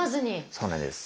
そうなんです。